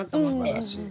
すばらしい。